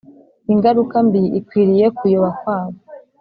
Ingaruka mbi ikwiriye kuyoba kwabo